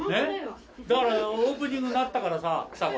だからオープニングだったからさちさ子。